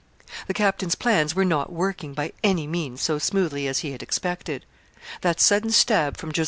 The captain's plans were not working by any means so smoothly as he had expected. That sudden stab from Jos.